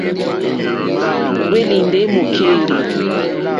Nà hwélì ndé mòòkèlì,.